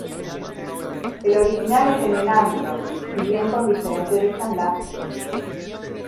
El original es de Menandro, si bien con diferente desenlace.